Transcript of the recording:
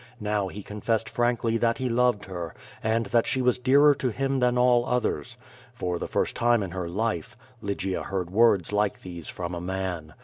Now he confessed frankly that he loved her, and that she was dearer to him than all others. For the first time in her life, Lygia heard words like these from a man.